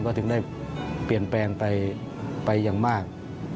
ก็ถึงได้เปลี่ยนแปลงไปอย่างมาก